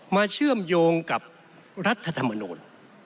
เชื่อมโยงกับรัฐธรรมนูล